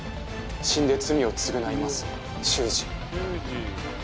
死んで罪を償います秀司」。